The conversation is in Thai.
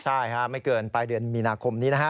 ใช่ไม่เกินปลายเดือนมีนาคมนี้นะฮะ